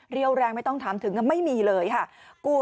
แรงไม่ต้องถามถึงไม่มีเลยค่ะ